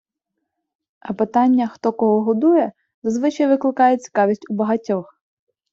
А питання «хто кого годує» зазвичай викликає цікавість у багатьох.